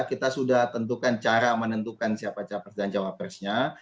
kita sudah tentukan cara menentukan siapa capres dan cawapresnya